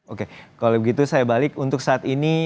oke kalau begitu saya balik untuk saat ini